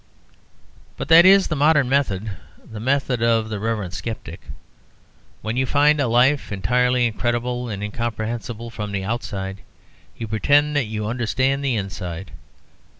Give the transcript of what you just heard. But that is the modern method: the method of the reverent sceptic. When you find a life entirely incredible and incomprehensible from the outside, you pretend that you understand the inside.